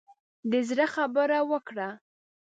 د زړه خبره وکړه.